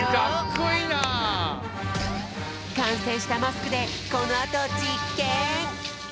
かんせいしたマスクでこのあとじっけん！